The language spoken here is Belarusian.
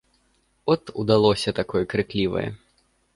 От удалося такое крыклівае.